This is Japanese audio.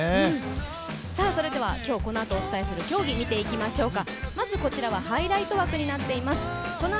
それでは今日お伝えする競技、見ていきましょうか。